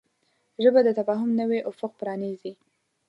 ژبه د تفاهم نوی افق پرانیزي